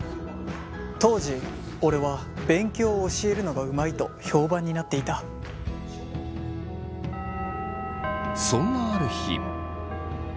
当時俺は勉強を教えるのがうまいと評判になっていたそんなある日。